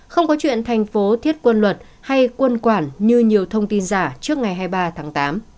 không có chuyện thành phố thiết quân luật hay quân quản như nhiều thông tin giả trước ngày hai mươi ba tháng tám